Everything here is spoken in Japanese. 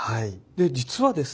で実はですね